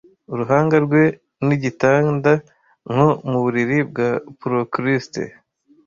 uruhanga rwe nigitanda nko muburiri bwa procrustes